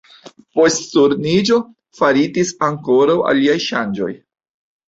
Post Turniĝo faritis ankoraŭ aliaj ŝanĝoj.